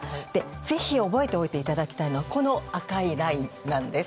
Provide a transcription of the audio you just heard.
ぜひ覚えておいていただきたいのは赤いラインです。